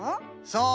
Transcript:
そう。